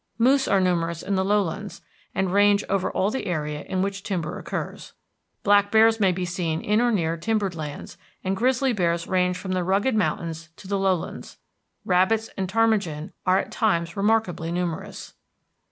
Moose are numerous in the lowlands, and range over all the area in which timber occurs. Black bears may be seen in or near timbered lands, and grizzly bears range from the rugged mountains to the lowlands. Rabbits and ptarmigan are at times remarkably numerous."